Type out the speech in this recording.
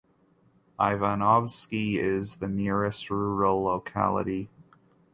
Ivanovsky is the nearest rural locality.